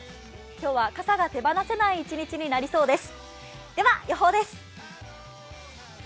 今日は傘が手放せない一日になりそうです。